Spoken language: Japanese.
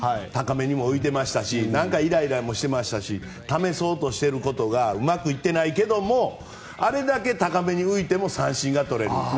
高めにも浮いていましたし何かイライラもしていましたし試そうとしていることがうまくいってないけれどもあれだけ高めに浮いても三振がとれる。